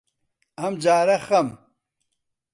ئەمجارە خەم